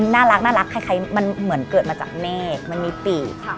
น่ารักคล้ายมันเหมือนเกิดมาจากเมฆมันมีปีก